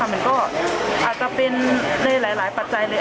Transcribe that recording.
มันก็อาจจะเป็นในหลายปัจจัยเลย